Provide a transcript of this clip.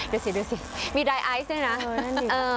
เดี๋ยวสิมีไดไอซ์ด้วยนะเออนั่นดีเอ่อ